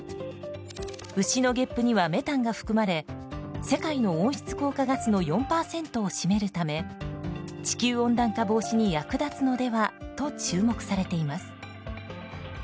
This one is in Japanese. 牛のゲップにはメタンが含まれ世界の温室効果ガスの４％を占めるため地球温暖化防止に役立つのではと注目されています。